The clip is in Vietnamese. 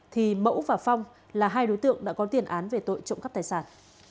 thì mẫu và phong là hai đối tượng đã có tiền án về tội trộm cắp tài sản